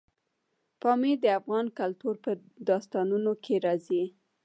پامیر د افغان کلتور په داستانونو کې راځي.